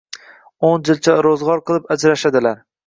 O‘n jilcha ro‘zg‘or qilib, ajrashadilar